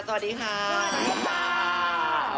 สวัสดีค่ะ